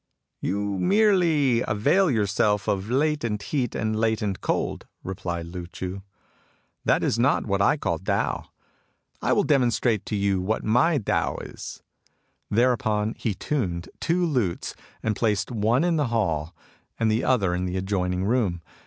" You merely avail yourself of latent heat and ^ The infernal regions. HARMONY IN TAO 69 latent cold," replied Lu Chii. " That is not what I call Tao. I will demonstrate to you what my Tao is." Thereupon he tuned two lutes, and placed one in the hall and the other in the adjoining room.